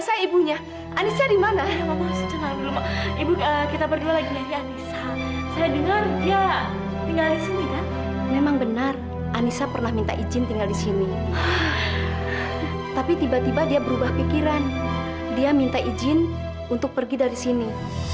sebenarnya ada yang pengen aku ceritain ke kamu